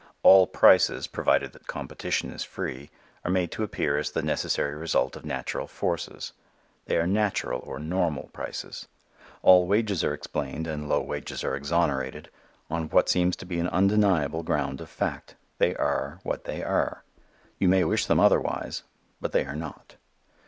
All prices, provided that competition is free, are made to appear as the necessary result of natural forces. They are "natural" or "normal" prices. All wages are explained, and low wages are exonerated, on what seems to be an undeniable ground of fact. They are what they are. You may wish them otherwise, but they are not.